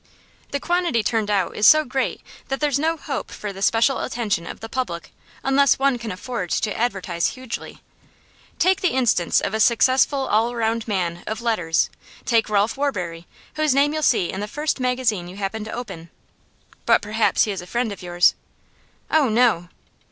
The quantity turned out is so great that there's no hope for the special attention of the public unless one can afford to advertise hugely. Take the instance of a successful all round man of letters; take Ralph Warbury, whose name you'll see in the first magazine you happen to open. But perhaps he is a friend of yours?' 'Oh no!